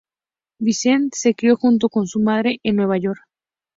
Vincent se crió junto con su madre en Nueva York.